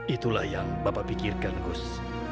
itulah yang bapak pikirkan gus